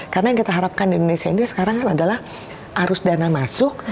karena yang kita harapkan di indonesia ini sekarang adalah arus dana masuk